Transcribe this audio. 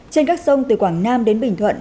trên các sông từ quảng nam đến bình thuận